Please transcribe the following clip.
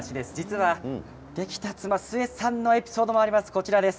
できた妻、壽衛さんのエピソードがあります。